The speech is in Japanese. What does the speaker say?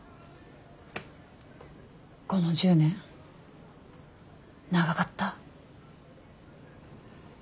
この１０年長かった？